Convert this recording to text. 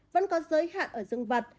vẫn có giới hạn ở dương vật